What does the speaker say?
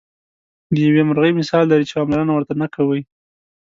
د یوې مرغۍ مثال لري چې پاملرنه ورته نه کوئ.